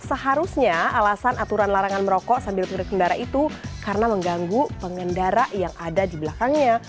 seharusnya alasan aturan larangan merokok sambil berkendara itu karena mengganggu pengendara yang ada di belakangnya